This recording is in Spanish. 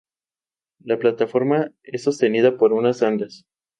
La plataforma es sostenida por unas andas.